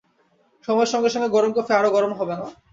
সময়ের সঙ্গে সঙ্গে গরম কফি আরো গরম হবে না।